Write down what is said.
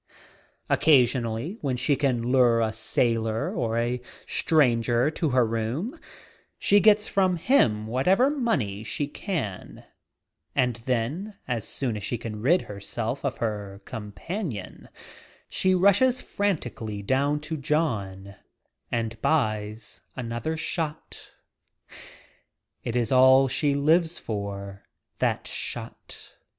Occasionally, when she can lure a sailor or a stranger to her room she gets from him whatever money she can and then, as soon as she can rid herself of her companion, she rushes frantically down to "John" and buys another "shot. It is all she lives for, that "shot."